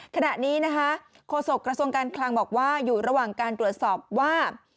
ขณะนี้นะคะโฆษกระทรวงการคลังบอกว่าอยู่ระหว่างการตรวจสอบว่า